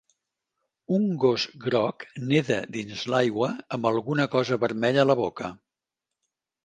Un gos groc neda dins l'aigua amb alguna cosa vermella a la boca.